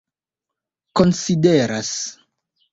konsideras